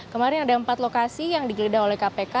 kemarin ada empat lokasi yang digeledah oleh kpk